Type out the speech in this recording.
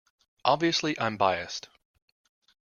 Obviously I’m biased.